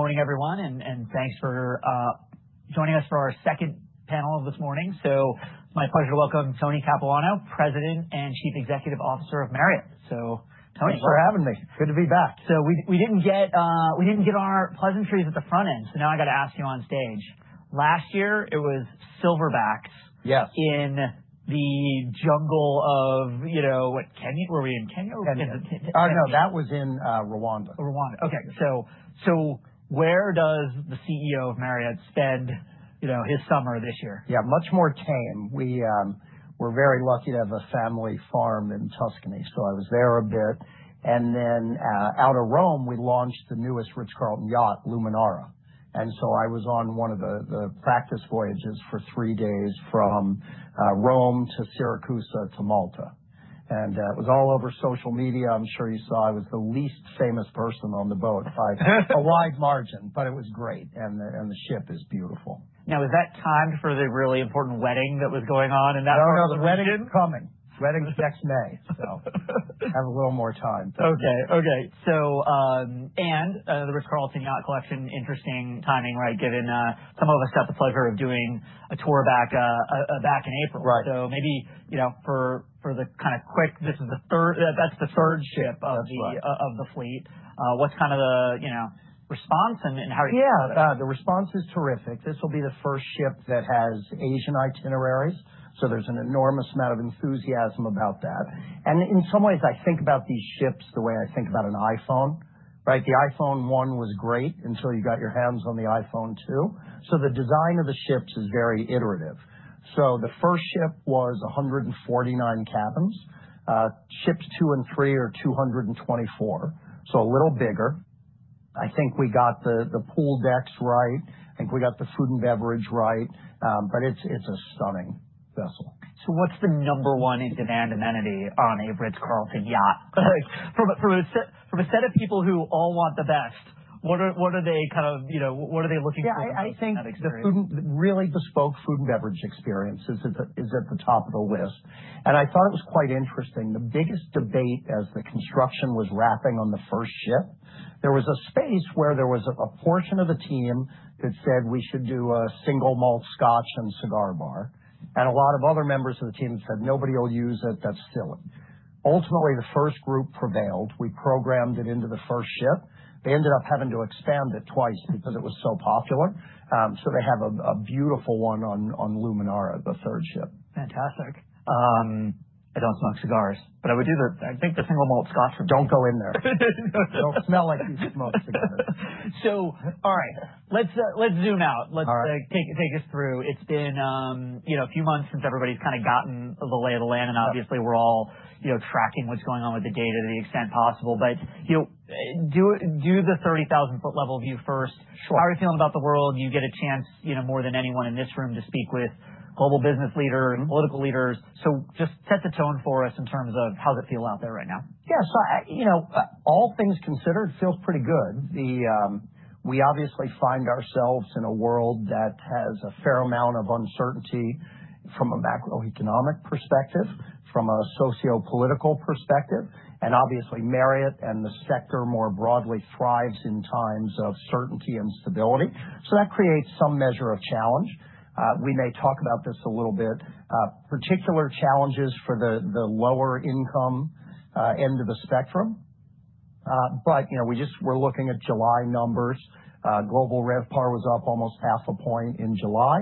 Good morning, everyone, and thanks for joining us for our second panel this morning. So it's my pleasure to welcome Tony Capilano, President and Chief Executive Officer of Marriott. So Tony, thanks for having me. Good to be back. So we didn't get our pleasantries at the front end. So now I got to ask you on stage. Last year, it was silverbacks in the jungle of what Kenya were we in Kenya? Ken, no. That was in Rwanda. Rwanda. Okay. So where does the CEO of Marriott spend his summer this year? Yes, much more tame. We're very lucky to have a family farm in Tuscany. So I was there a bit. And then out of Rome, we launched the newest Ritz Carlton yacht, Luminara. And so, I was on one of the practice voyages for three days from Rome to Syracuse to Malta. And it was all over social media. I'm sure you saw I was the least famous person on the boat by a wide margin, but it was great and the ship is beautiful. Now, is that time for the really important wedding that was going on in that particular wedding is coming. Wedding is next May. So, have a little more time. Okay. Okay. So and the Ritz Carlton yacht collection, interesting timing, right, given some of us got the pleasure of doing a tour back in April. So maybe for the kind of quick, this is the third that's the third ship of What's the kind of the response? And how do you think Yes. About The response is terrific. This will be the first ship that has Asian itineraries. So, there's an enormous amount of enthusiasm about that. And in some ways, I think about these ships the way I think about an iPhone, right? The iPhone one was great until you got your hands on the iPhone two. So, the design of the ships is very iterative. So the first ship was 149 cabins. Ships two and three are two twenty four, so a little bigger. I think we got the pool decks right. I think we got the food and beverage right, but it's a stunning vessel. So what's the number one in demand amenity on a Ritz Carlton yacht? From a set of people who all want the best, what are they kind of what are they looking for? Yes, I think the food really bespoke food and beverage experience is at the top of the list. And I thought it was quite interesting. The biggest debate as the construction was wrapping on the first ship, there was a space where there was a portion of the team that said we should do a single malt scotch and cigar bar. And a lot of other members of the team said nobody will use it, that's silly. Ultimately, the first group prevailed. We programmed it into the first ship. They ended up having to expand it twice because it was so popular. So, have a beautiful one on Luminara, the third ship. Fantastic. I don't smoke cigars, but I would do the I think the single malt Scotch, don't go in there. Don't smell like you smoke cigars. So all right, let's zoom out. Let's It's take us a few months since everybody's kind of gotten the lay of the land. And obviously, we're all tracking what's going on with the data to the extent possible. Do the 30,000 foot level view first. How are you feeling about the world? You get a chance more than anyone in this room to speak with global business leader and political leaders. So just set the tone for us in terms of how does it feel out there right now? Yes. So all things considered, it feels pretty good. We obviously find ourselves in a world that has a fair amount of uncertainty from a macroeconomic perspective, from a sociopolitical perspective. And obviously, Marriott and the sector more broadly thrives in times of certainty and stability. So, that creates some measure of challenge. We may talk about this a little bit. Particular challenges for the lower income end of the spectrum. But, we just we're looking at July numbers. Global RevPAR was up almost zero five point in July,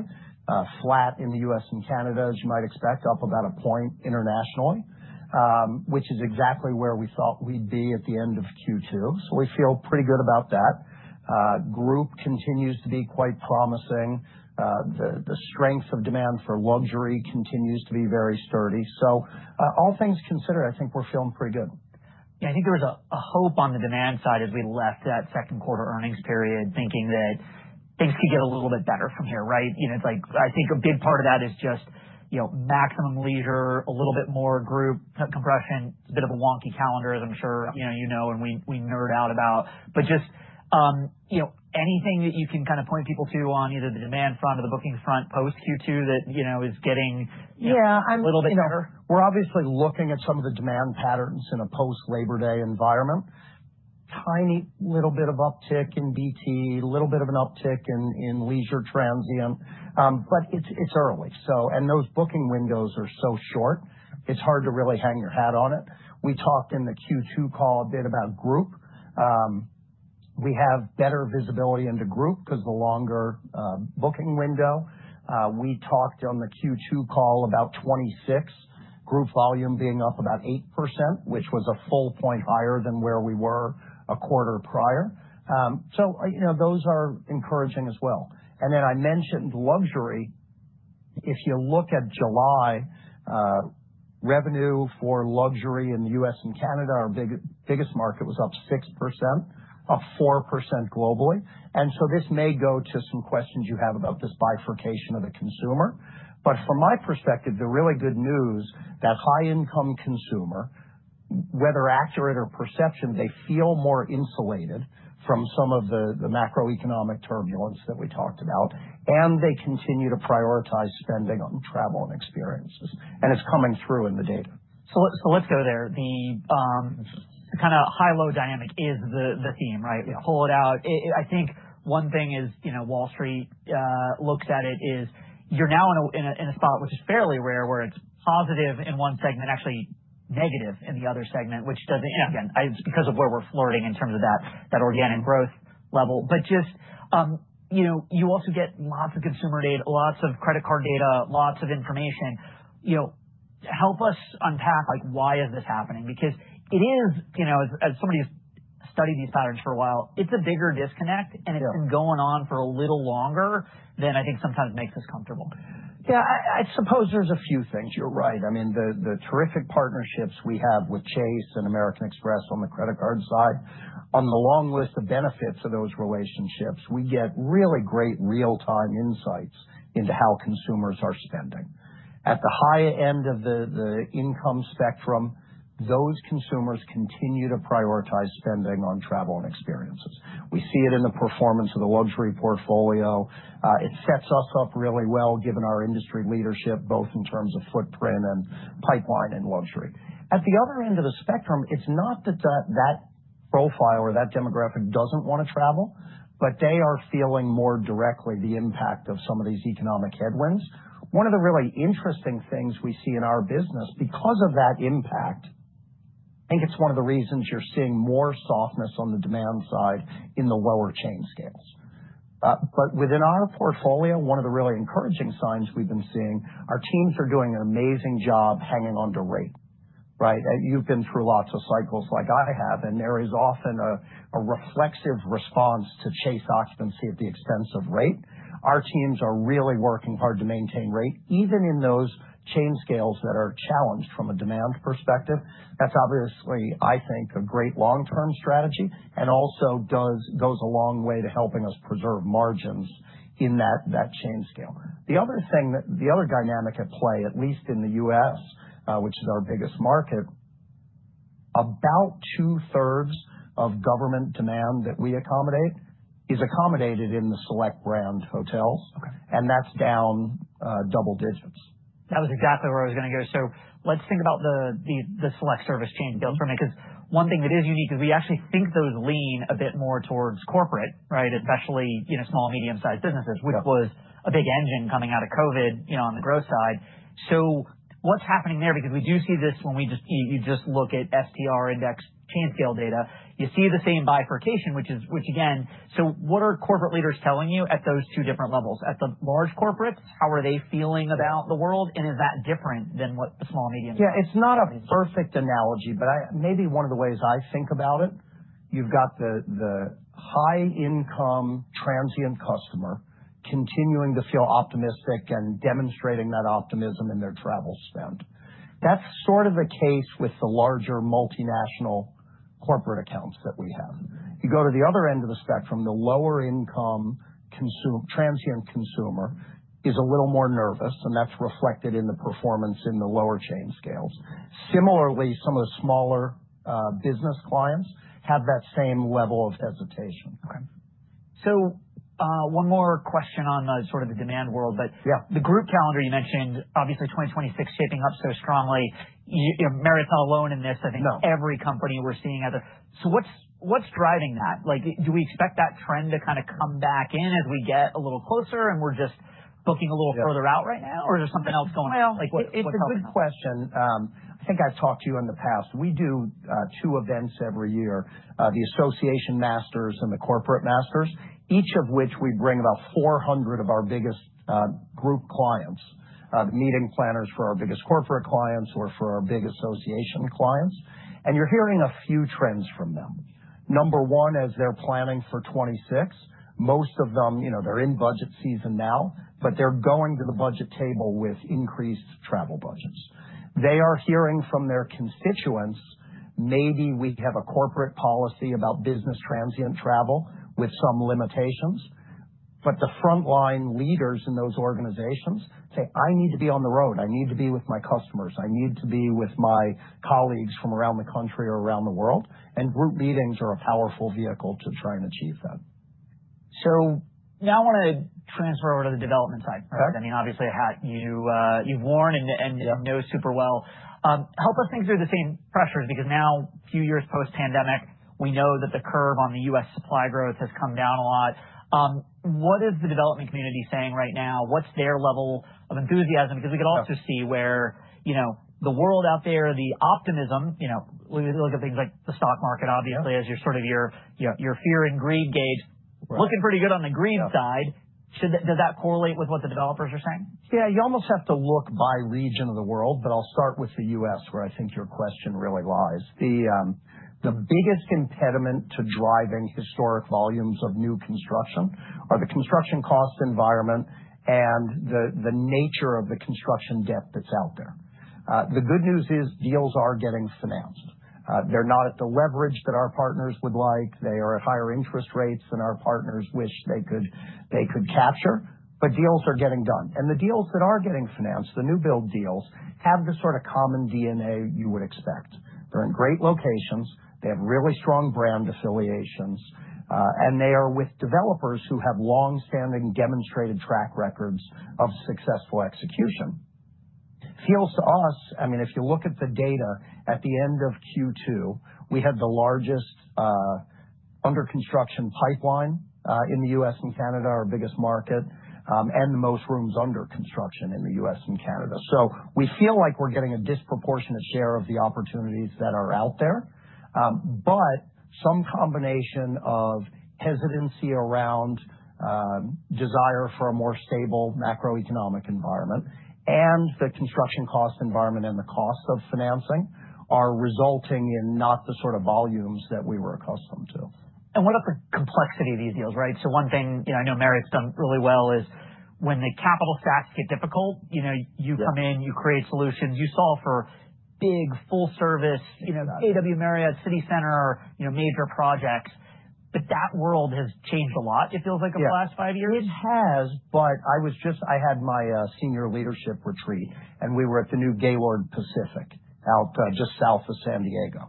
flat in The U. S. And Canada, as you might expect, up about one point internationally, which is exactly where we thought we'd be at the end of Q2. So, we feel pretty good about that. Group continues to be quite promising. The strength of demand for luxury continues to be very sturdy. So all things considered, I think we're feeling pretty good. Yes. I think there was a hope on the demand side as we left that second quarter earnings period thinking that things could get a little bit better from here, right? It's like I think a big part of that is just maximum leisure, a little bit more group compression. It's a bit of a wonky calendar, as I'm sure you know and we nerd out about. But just anything that you can kind of point people to on either the demand front or the bookings front post Q2 that is getting Yes. A little bit We're obviously looking at some of the demand patterns in a post Labor Day environment. Tiny little bit of uptick in BT, little bit of an uptick in leisure transient, but it's early. So and those booking windows are so short, it's hard to really hang your hat on it. We talked in the Q2 call a bit about group. We have better visibility into group because the longer booking window. We talked on the Q2 call about 26, group volume being up about 8%, which was a full point higher than where we were a quarter prior. So, those are encouraging as well. And then I mentioned luxury. If you look at July, revenue for luxury in The U. S. And Canada, our biggest market was up 6%, up 4% globally. And so this may go to some questions you have about this bifurcation of the consumer. But from my perspective, the really good news that high income consumer, whether accurate or perception, they feel more insulated from some of the macroeconomic turbulence that we talked about, and they continue to prioritize spending on travel and experiences. And it's coming through in the data. So let's go there. The kind of high low dynamic is the theme, right? We hold out. I think one thing is Wall Street looks at it is you're now in a spot which is fairly rare, where it's positive in one segment, actually negative in the other segment, which doesn't and again, it's because of where we're flirting in terms of that organic growth level. But just, you also get lots of consumer data, lots of credit card data, lots of information. Help us unpack like why is this happening? Because it is, as somebody has studied these patterns for a while, it's a bigger disconnect and it's been going on for a little longer than I think sometimes makes us comfortable. Yes, I suppose there's a few things. You're right. I mean, the terrific partnerships we have with Chase and American Express on the credit card side, on the long list of benefits of those relationships, we get really great real time insights into how consumers are spending. At the high end of the income spectrum, those consumers continue to prioritize spending on travel and experiences. We see it in the performance of the luxury portfolio. It sets us up really well given our industry leadership, both in terms of footprint and pipeline and luxury. At the other end of the spectrum, it's not that that profile or that demographic doesn't want to travel, but they are feeling more directly the impact of some of these economic headwinds. One of the really interesting things we see in our business because of that impact, I think it's one of the reasons you're seeing more softness on the demand side in the lower chain scales. But within our portfolio, one of the really encouraging signs we've been seeing, our teams are doing an amazing job hanging on to rate, right? You've been through lots of cycles like I have, and there is often a reflexive response to chase occupancy at the expense of rate. Our teams are really working hard to maintain rate, even in those chain scales that are challenged from a demand perspective. That's obviously, I think, a great long term strategy and also goes a long way to helping us preserve margins in that chain scale. The other thing that the other dynamic at play, at least in The U. S, which is our biggest market, about two thirds of government demand that we accommodate is accommodated in the select brand hotels, and that's down double digits. That was exactly where I was going to go. So let's think about the select service chain build from it, because one thing that is unique is we actually think those lean a bit more towards corporate, right, especially small, medium sized businesses, which was a big engine coming out of COVID on the growth side. So what's happening there? Because we do see this when we just you just look at STR index chance scale data, you see the same bifurcation, which is which again so what are corporate leaders telling you at those two different levels? At the large corporates, how are they feeling about the world? And is that different than what the small and medium Yes. It's not a perfect analogy, but maybe one of the ways I think about it, you've got the high income transient customer continuing to feel optimistic and demonstrating that optimism in their travel spend. That's sort of the case with the larger multinational corporate accounts that we have. You go to the other end of the spectrum, the lower income transient consumer is a little more nervous, and that's reflected in the performance in the lower chain scales. Similarly, some of the smaller business clients have that same level of hesitation. So one more question on sort of the demand world. The group calendar you mentioned, obviously, 2026 shaping up so strongly. Marathon alone in this, I think every company we're seeing other. So what's driving that? Like do we expect that trend to kind of come back in as we get a little closer and we're just booking a little further out right now? Or is there something else going on? It's a good question. I think I've talked to you in the past. We do two events every year, the Association Masters and the Corporate Masters, each of which we bring about 400 of our biggest group clients, meeting planners for our biggest corporate clients or for our big association clients. And you're hearing a few trends from them. Number one, as they're planning for 'twenty six, most of them, they're in budget season now, but they're going to the budget table with increased travel budgets. They are hearing from their constituents, maybe we have a corporate policy about business transient travel with some limitations. But the frontline leaders in those organizations say, I need to be on the road. I need to be with my customers. I need to be with my colleagues from around the country or around the world. And group meetings are a powerful vehicle to try and achieve that. Now I want transfer over to the development side, correct? I mean, obviously, a hat you've worn and know super well. Help us think through the same pressures because now a few years post pandemic, we know that the curve on The U. S. Supply growth has come down a lot. What is the development community saying right now? What's their level of enthusiasm? Because we could also see where the world out there, the optimism, when you look at things like the stock market, obviously, as you're sort of your fear and greed gauge, looking pretty good on the green side. Does that correlate with what the developers are saying? Yes, you almost have to look by region of the world, but I'll start with The U. S, where I think your question really lies. The biggest impediment to driving historic volumes of new construction are the construction cost environment and the nature of the construction debt that's out there. The good news is deals are getting financed. They're not at the leverage that our partners would like. They are at higher interest rates than our partners wish they could capture, but deals are getting done. And the deals that are getting financed, the newbuild deals, have the sort of common DNA you would expect. They're in great locations. They have really strong brand affiliations. And they are with developers who have longstanding demonstrated track records of successful execution. Feels to us, I mean, you look at the data at the end of Q2, we had the largest under construction pipeline in The U. S. And Canada, our biggest market, and most rooms under construction in The U. S. And Canada. So, we feel like we're getting a disproportionate share of the opportunities that are out there. But some combination of hesitancy around desire for a more stable macroeconomic environment and the construction cost environment and the cost of financing are resulting in not the sort of volumes that we were accustomed to. And what are the complexity of these deals, right? So one thing I know Marriott has done really well is when the capital stacks get difficult, you come in, you create solutions, you solve for big full service, AWS Marriott, City Center, major projects. But that world has changed a lot, it feels like in Yes. The last five It has, but just I had my senior leadership retreat, and we were at the new Gaylord Pacific out just South of San Diego.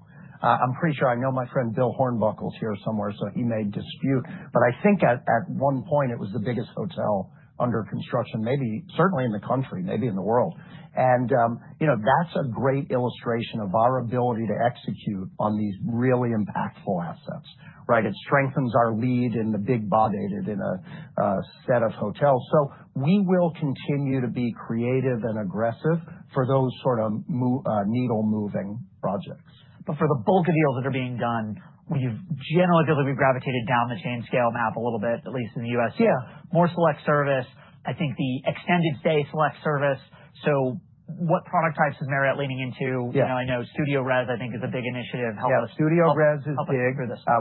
I'm pretty sure I know my friend Bill Hornbuckle is here somewhere, so he made a dispute. But I think at one point, it was the biggest hotel under construction, maybe certainly in the country, maybe in the world. And that's a great illustration of our ability to execute on these really impactful assets, right? It strengthens our lead in the big bodated in a set of hotels. So we will continue to be creative and aggressive for those sort of needle moving projects. But for the bulk of deals that are being done, we've generally believe we've gravitated down the chain scale map a little bit, at least in The U. S. Yes, More select service, I think the extended stay select service. So what product types is Marriott leaning into? I know StudioRes, I think, is a big initiative. Yes, StudioRes is big.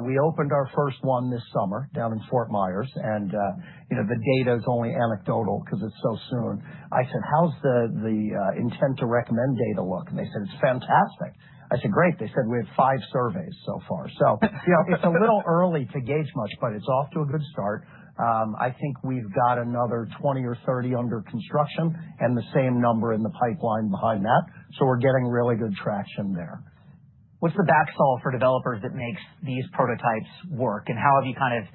We opened our first one this summer down in Fort Myers. And the data is only anecdotal because it's so soon. I said, how's the intent to recommend data look? And they said, it's fantastic. I said, great. They said, we have five surveys so far. So, it's a little early to gauge much, but it's off to a good start. I think we've got another 20 or 30 under construction and the same number in the pipeline behind that. So we're getting really good traction there. What's the back stall for developers that makes these prototypes work? And how have you kind of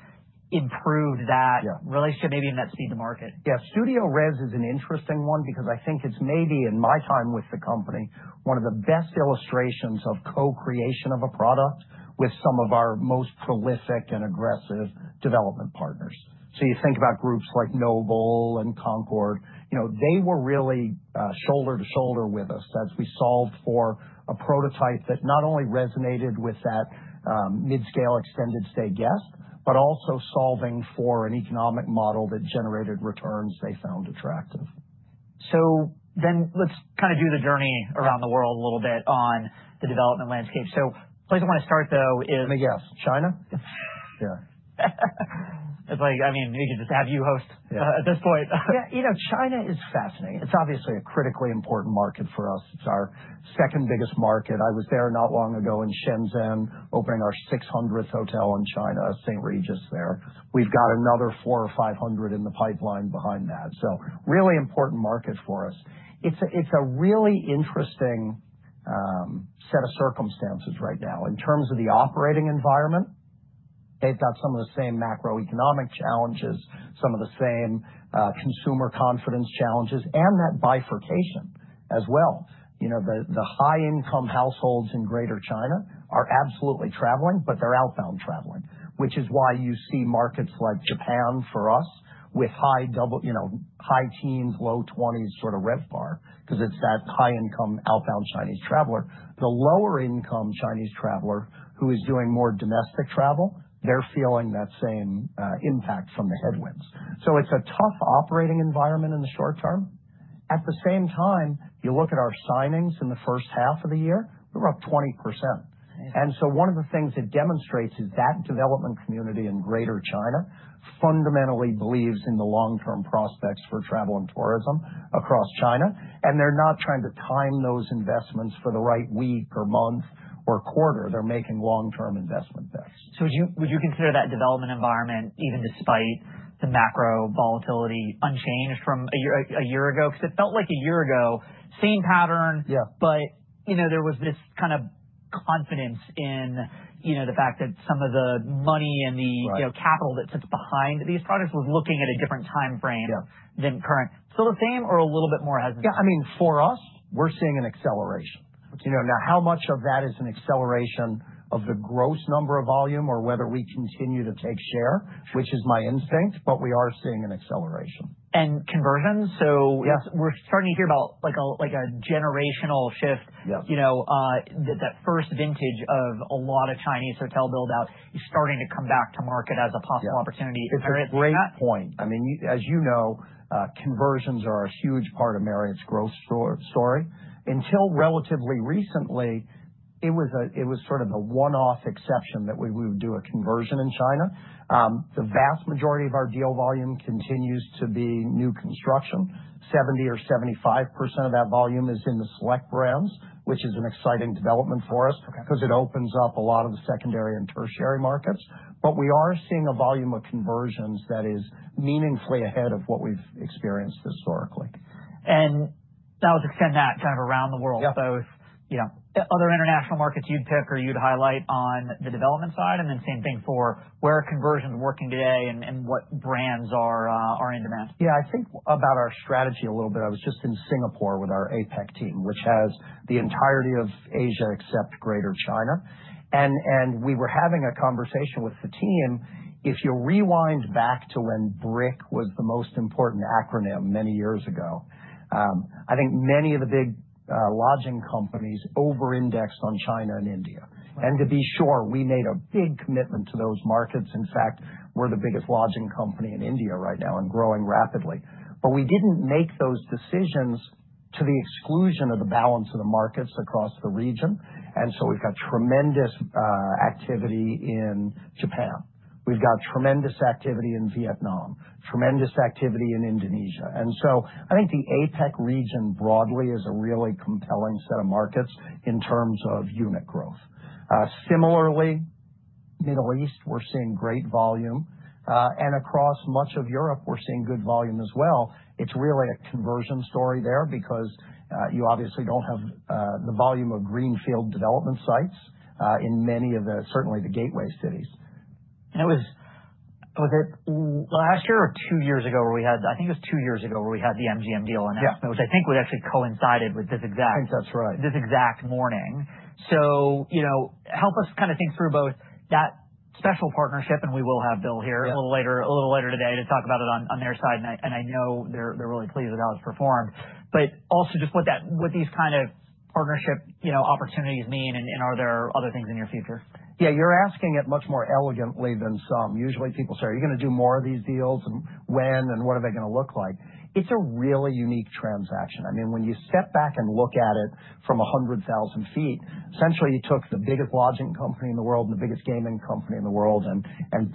improved that relationship maybe in that speed to market? Yes. StudioRes is an interesting one because I think it's maybe in my time with the company, one of the best illustrations of co creation of a product with some of our most prolific and aggressive development partners. So, you think about groups like Noble and Concord, they were really shoulder to shoulder with us as we solved for a prototype that not only resonated with that mid scale extended stay guest, but also solving for an economic model that generated returns they found attractive. So then let's kind of do the journey around the world a little bit on the development landscape. So place I want to start though is Yes, China. It's like, I mean, we can just have you host at this point. China is fascinating. It's obviously a critically important market for us. It's our second biggest market. I was there not long ago in Shenzhen, opening our six hundredth hotel in China, St. Regis there. We've got another 400 or 500 in the pipeline behind that. So, really important market for us. It's a really interesting set of circumstances right now. In terms of the operating environment, they've got some of the same macroeconomic challenges, some of the same consumer confidence challenges and that bifurcation as well. The high income households in Greater China are absolutely traveling, but they're outbound traveling, which is why you see markets like Japan for us with high teens, low 20s sort of RevPAR because it's that high income outbound Chinese traveler. The lower income Chinese traveler who is doing more domestic travel, they're feeling that same impact from the headwinds. So it's a tough operating environment in the short term. At the same time, you look at our signings in the first half of the year, we were up 20%. And so one of the things that demonstrates is that development community in Greater China fundamentally believes in the long term prospects for travel and tourism across China. And they're not trying to time investments for the right week or month or quarter. They're making long term investment bets. So would you consider that development environment even despite the macro volatility unchanged from a year ago? Because it felt like a year ago, same pattern, but there was this kind of confidence in the fact that some of the money and the capital that sits behind these products was looking at a different time frame than current. So the same or a little bit more hesitant? Yes. Mean, for us, we're seeing an acceleration. Now, how much of that is an acceleration of the gross number of volume or whether we continue to take share, which is my instinct, but we are seeing an acceleration. And conversions, so we're starting to hear about like a generational shift, that first vintage of a lot of Chinese hotel build out is starting to come back to market as a possible opportunity. Is there a great point? Mean, as you know, conversions are a huge part of Marriott's growth story. Until relatively recently, it was sort of a one off exception that we would do a conversion in China. The vast majority of our deal volume continues to be new construction, 70% or 75% of that volume is in the select brands, which is an exciting development for us, because it opens up a lot of the secondary and tertiary markets. But we are seeing a volume of conversions that is meaningfully ahead of what we've experienced historically. And that would extend that kind of around the world, both other international markets you'd pick or you'd highlight on the development side? And then same thing for where conversion is working today and what brands are in demand? Yes. I think about our strategy a little bit, I was just in Singapore with our APAC team, which has the entirety of Asia except Greater China. And we were having a conversation with the team. If you rewind back to when BRIC was the most important acronym many years ago. I think many of the big lodging companies over indexed on China and India. And to be sure, we made a big commitment to those markets. In fact, we're the biggest lodging company in India right now and growing rapidly. But we didn't make those decisions to the exclusion of the balance of the markets across the region. And so we've got tremendous activity in Japan. We've got tremendous activity in Vietnam, tremendous activity in Indonesia. And so, I think the APAC region broadly is a really compelling set of markets in terms of unit growth. Similarly, Middle East, we're seeing great volume. And across much of Europe, we're seeing good volume as well. It's really a conversion story there because you obviously don't have the volume of greenfield development sites in many of the certainly, the gateway cities. And last year or two years ago where we had I think it was two years ago where we had the MGM deal announcement, which I think would actually coincide with this exact morning. So help us kind of think through both that special partnership, and we will have Bill here a later today to talk about it on their side. I know they're really pleased with how it's performed. But also just what that what these kind of partnership opportunities mean? Are there other things in your future? Yes, you're asking it much more elegantly than some. Usually, people say, are you going to do more of these deals? And when and what are they going to look like? It's a really unique transaction. I mean, when you step back and look at it from 100,000 feet, essentially, you took the biggest lodging company in the world and the biggest gaming company in the world and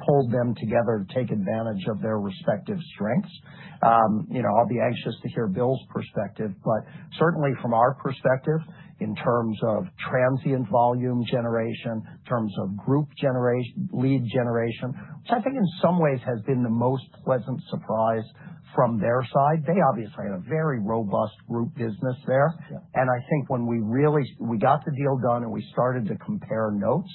pulled them together to take advantage of their respective strengths. I'll be anxious to hear Bill's perspective. But certainly, from our perspective, in terms of transient volume generation, in terms of group lead generation, which I think in some ways has been the most pleasant surprise from their side. They obviously had a very robust group business there. And I think when we really we got the deal done and we started to compare notes,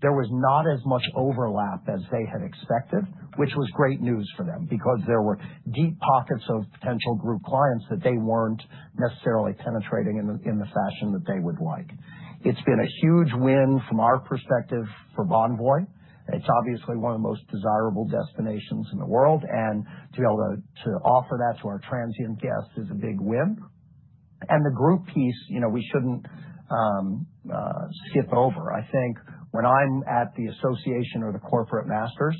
there was not as much overlap as they had expected, which was great news for them, because there were deep pockets of potential group clients that they weren't necessarily penetrating in the fashion that they would like. It's been a huge win from our perspective for Bonvoy. It's obviously one of the most desirable destinations in the world. And to be able to offer that to our transient guests is a big win. And the group piece, we shouldn't skip over. I think when I'm at the association or the corporate masters,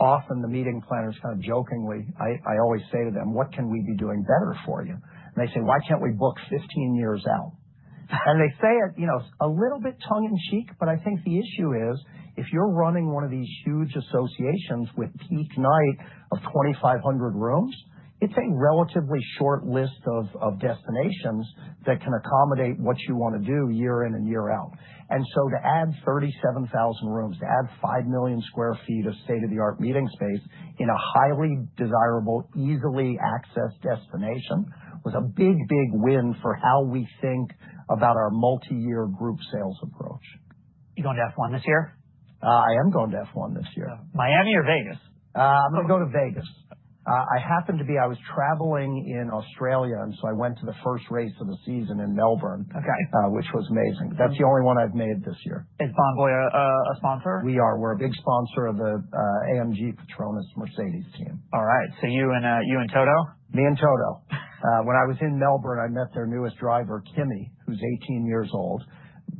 often the meeting planners kind of jokingly, I always say to them, what can we be doing better for you? They say, why can't we book fifteen years out? And they say it a little bit tongue in cheek, but I think the issue is, if you're running one of these huge associations with peak night of 2,500 rooms, it's a relatively short list of destinations that can accommodate what you want to do year in and year out. And so, to add 37,000 rooms, to add 5,000,000 square feet of state of the art meeting space in a highly desirable, easily accessed destination was a big, big win for how we think about our multiyear group sales approach. You're to F1 this year? I am going to F1 this year. Miami or Vegas? Going to Vegas. Happened to be I was traveling in Australia, and so I went to the first race of the season in Melbourne, which was amazing. That's the only one I've made this year. Is Bonvoy a sponsor? We are. We're a big sponsor of the AMG Patronus, Mercedes team. All right. So you and Toto? Me and Toto. When I was in Melbourne, I met their newest driver, Kimmy, who's 18 years old,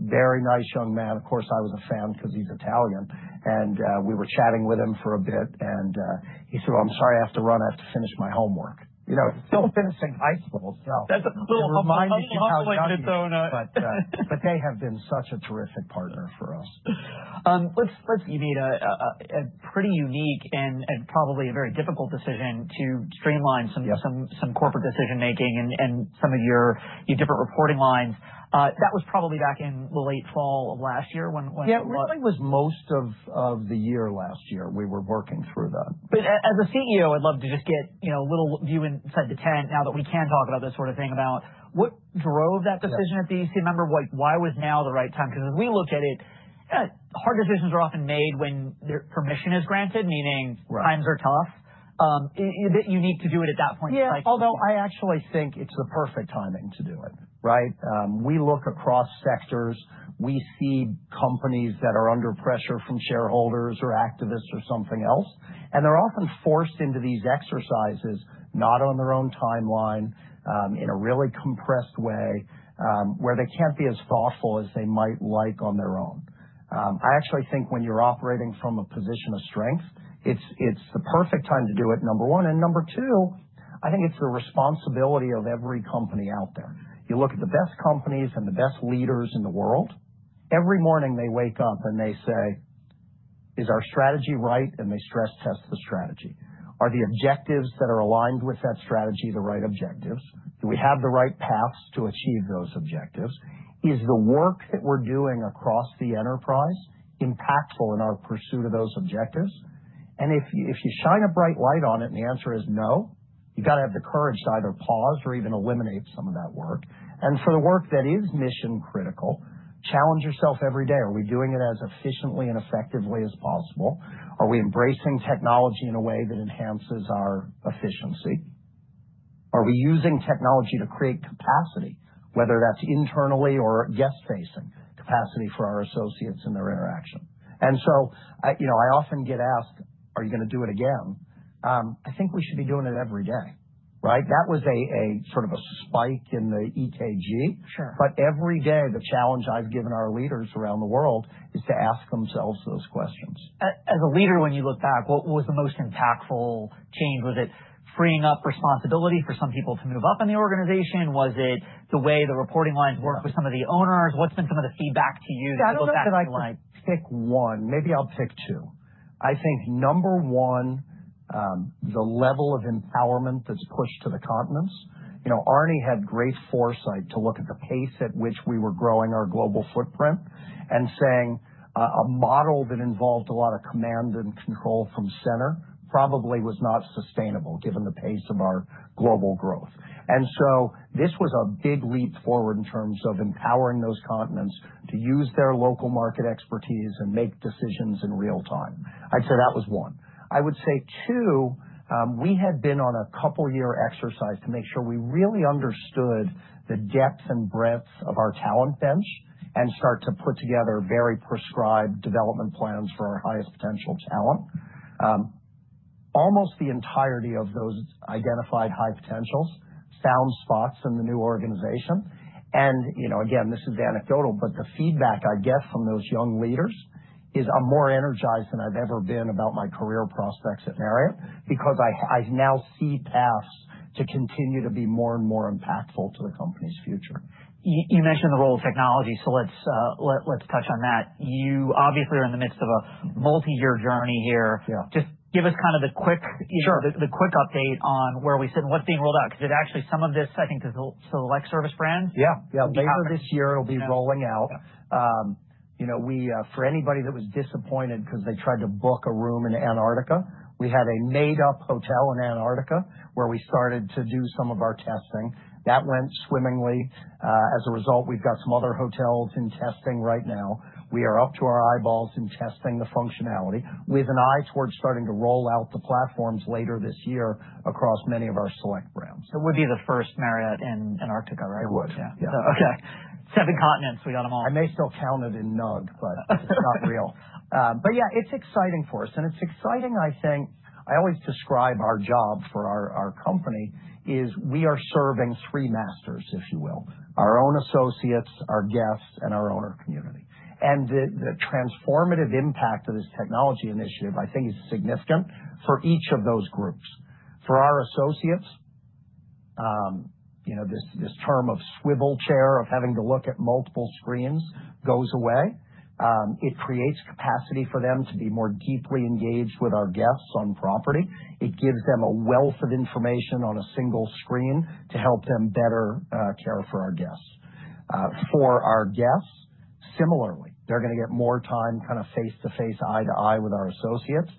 very nice young man. Of course, I was a fan because he's Italian. And we were chatting with him for a bit. And he said, I'm sorry, I have to run. Have to finish my homework. Still finishing high school. They have been such a terrific partner for us. Give you pretty unique and probably a very difficult decision to streamline some corporate decision making and some of your different reporting lines. That was probably back in the late fall of last year when Yes, it was of the year last year, we were working through that. But as a CEO, I'd love to just get a little view inside the tent now that we can talk about this sort of thing about what drove that decision at the EC member, why was now the right time? Because as we look at it, hard decisions are often made when their permission is granted, meaning times are tough. Is it unique to do it at that point in Yes. Although I actually think it's the perfect timing to do it, right? We look across sectors. We see companies that are under pressure from shareholders or activists or something else. And they're often forced into these exercises, not on their own timeline, in a really compressed way, where they can't be as thoughtful as they might like on their own. I actually think when you're operating from a position of strength, it's the perfect time to do it, number one. And number two, I think it's the responsibility of every company out there. You look at the best companies and the best leaders in the world, every morning they wake up and they say, is our strategy right? And they stress test the strategy. Are the objectives that are aligned with that strategy the right objectives? Do we have the right paths to achieve those objectives? Is the work that we're doing across the enterprise impactful in our pursuit of those objectives? And if you shine a bright light on it, the answer is no, you got to have the courage to either pause or even eliminate some of that work. And for the work that is mission critical, challenge yourself every day. Are we doing it as efficiently and effectively as possible? Are we embracing technology in a way that enhances our efficiency? Are we using technology to create capacity, whether that's internally or guest facing capacity for our associates and their interaction? And so I often get asked, are you going to do it again? I think we should be doing it every day, right? That was a sort of a spike in the EKG. But every day, the challenge I've given our leaders around the world is to ask themselves those questions. As a leader, when you look back, what was the most impactful change? Was it freeing up responsibility for some people to move up in the organization? Was it the way the reporting lines work with some of the owners? What's been some of the feedback to you to Yes. Go back to Because I the pick one, maybe I'll pick two. I think number one, the level of empowerment that's pushed to the continents. Arne had great foresight to look at the pace at which we were growing our global footprint and saying a model that involved a lot of command and control from center probably was sustainable, given the pace of our global growth. And so this was a big leap forward in terms of empowering those continents to use their local market expertise and make decisions in real time. I'd say that was one. I would say two, we had been on a couple of year exercise to make sure we really understood the depth and breadth of our talent bench and start to put together very prescribed development plans for our highest potential talent. Almost the entirety of those identified high potentials sound spots in the new organization. And again, this is anecdotal, but the feedback I get from those young leaders is I'm more energized than I've ever been about my career prospects at Marriott, because I now see paths to continue to be more and more impactful to the company's future. You mentioned the role of technology, so let's touch on that. You obviously are in the midst of a multiyear journey here. Just give us kind of the quick update on where we sit and what's being rolled out because it actually some of this, I think, is select service brands? Yes. Later this year, will be rolling out. We for anybody that was disappointed because they tried to book a room in Antarctica, we had a made up hotel in Antarctica where we started to do some of our testing. That went swimmingly. As a result, we've got some other hotels in testing right now. We are up to our eyeballs in testing the functionality with an eye towards starting to roll out the platforms later this year across many of our select brands. So, it would be the first Marriott in Antarctica, right? It would. Okay. Seven continents, got them all. I may still count it in nug, but it's not real. But yes, it's exciting for us. And it's exciting, I think, I always describe our job for our company is we are serving three masters, if you will, our own associates, our guests and our owner community. And the transformative impact of this technology initiative, I think, is significant for each of those groups. For our associates, this term of swivel chair of having to look at multiple screens goes away. It creates capacity for them to be more deeply engaged with our guests on property. It gives them a wealth of information on a single screen to help them better care for our guests. For our guests, similarly, they're going to get more time kind of face to face, eye to eye with our associates.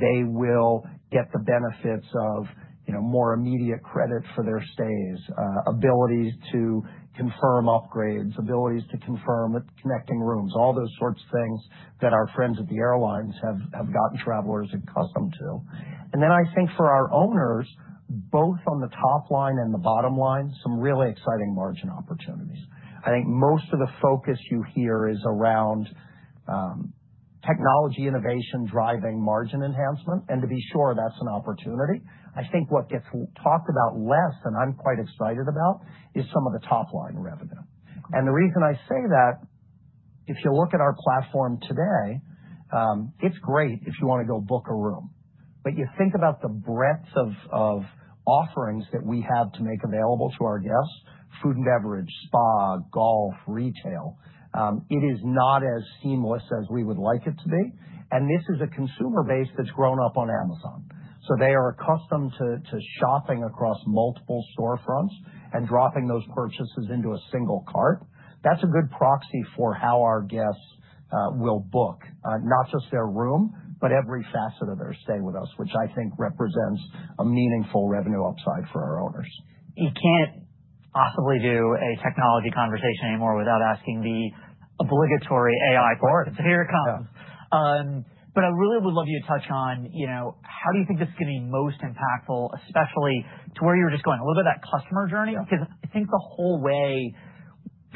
They will get the benefits of more immediate credit for their stays, abilities to confirm upgrades, abilities to confirm with connecting rooms, all those sorts of things that our friends at the airlines have gotten travelers accustomed to. And then I think for our owners, both on the top line and the bottom line, some really exciting margin opportunities. I think most of the focus you hear is around technology innovation driving margin enhancement. And to be sure, that's an opportunity. I think what gets talked about less, and I'm quite excited about, is some of the top line revenue. And the reason I say that, if you look at our platform today, it's great if you want to go book a room. But you think about the breadth of offerings that we have to make available to our guests, food and beverage, spa, retail. It is not as seamless as we would like it to be. And this is a consumer base that's grown up on Amazon. So they are accustomed to shopping across multiple storefronts and dropping those purchases into a single cart. That's a good proxy for how our guests will book, not just their room, but every facet of their stay with us, which I think represents a meaningful revenue upside for our owners. You can't possibly do a technology conversation anymore without asking the obligatory AI part, But so here it I really would love you to touch on how do you think this is going be most impactful, especially to where you were just going, a little bit of that customer journey because I think the whole way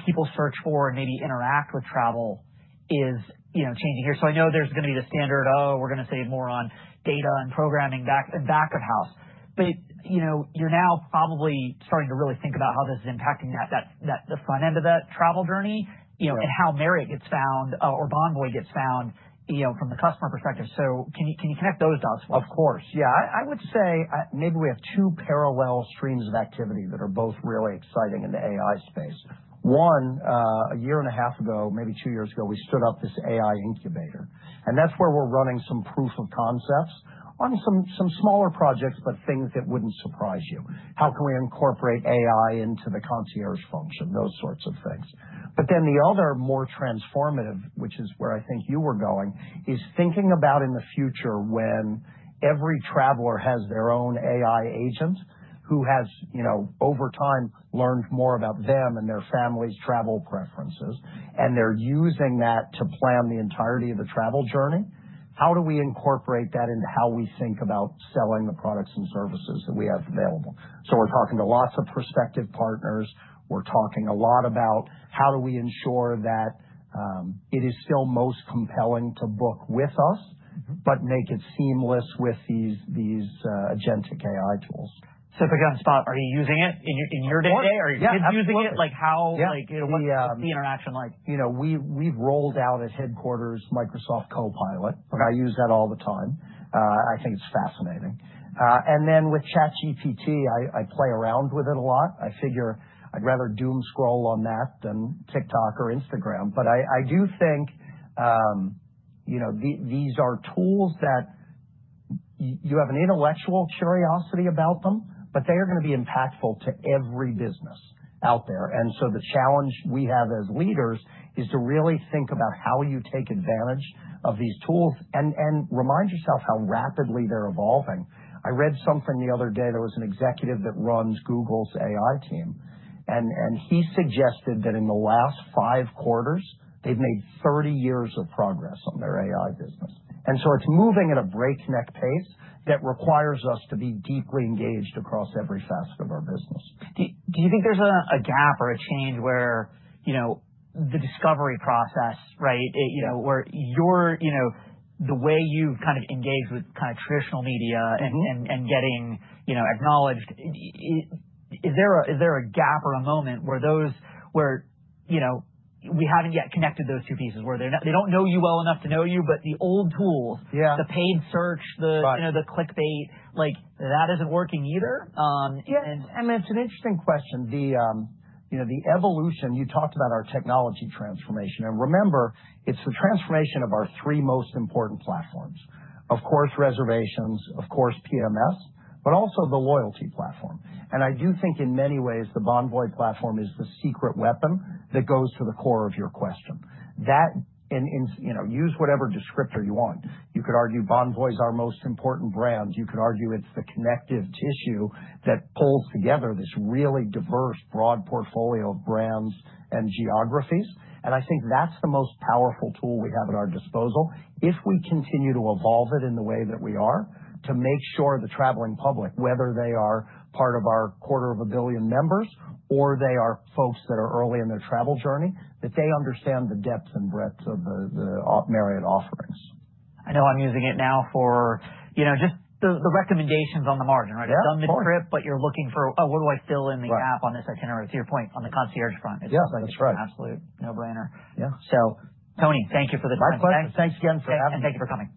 people search for and maybe interact with travel is changing here. So I know there's going to be the standard, oh, we're to save more on data and programming back of house. But you're now probably starting to really think about how this is impacting that the front end of that travel journey and how Marriott gets found or Bonvoy gets found from the customer perspective. So can you connect those dots? Of course. Yes. I would say maybe we have two parallel streams of activity that are both really exciting in the AI space. One, one years point ago, maybe two years ago, we stood up this AI incubator. And that's where we're running some proof of concepts on some smaller projects, but things that wouldn't surprise you. How can we incorporate AI into the concierge function, those sorts of things. But then the other more transformative, which is where I think you were going, is thinking about in the future when every traveler has their own AI agent who has over time learned more about them and their family's travel preferences, and they're using that to plan the entirety of the travel journey. How do we incorporate that into how we think about selling the products and services that we have available? So, we're talking to lots of prospective partners. We're talking a lot about how do we ensure that it is still most compelling to book with us, but make it seamless with these AgenTiKi tools. So if I got on the spot, are you using it in your day to day? You still using it? Like how like what's the interaction like? We've rolled out at headquarters Microsoft Copilot, but I use that all the time. I think it's fascinating. And then with ChatGPT, I play around with it a lot. I figure I'd rather doom scroll on that than TikTok or Instagram. But I do think these are tools that you have an intellectual curiosity about them, but they are going to be impactful to every business out there. And so the challenge we have as leaders is to really think about how you take advantage of these tools and remind yourself how rapidly they're evolving. I read something the other day. There was an executive that runs Google's AI team. And he suggested that in the last five quarters, they've made thirty years of progress on their AI business. And so it's moving at a breakneck pace that requires us to be deeply engaged across every facet of our business. Do you think there's a gap or a change where the discovery process, right, where your the way you've kind of engaged with kind of traditional media and getting acknowledged, is there a gap or a moment where those where we haven't yet connected those two pieces, where they don't know you well enough to know you, but the old tools, the paid search, the clickbait, like that isn't working either? Amit, it's an interesting question. The evolution, you talked about our technology transformation. And remember, it's the transformation of our three most important platforms, of course reservations, of course PMS, but also the loyalty platform. And I do think in many ways, the Bonvoy platform is the secret weapon that goes to the core of your question. That and use whatever descriptor you want. You could argue Bonvoy is our most important brand. You could argue it's the connective tissue that pulls together this really diverse, broad portfolio of brands and geographies. And I think that's the most powerful tool we have at our disposal. If we continue to evolve it in the way that we are to make sure the traveling public, whether they are part of our quarter of a billion members or they are folks that are early in their travel journey, that they understand the depth and breadth of the Marriott offerings. I know I'm using it now for just the recommendations on the margin, right? It's done mid trip, but you're looking for, oh, what do I fill in the gap on this itinerary, to your point, on the concierge front? Yes, that's right. An absolute no brainer. Tony, thank you for the time. Thanks again for And thank you for coming.